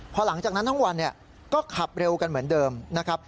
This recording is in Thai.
พอหลังจากนั้นทั้งวันก็ขับเร็วกันเหมือนเดิมนะครับ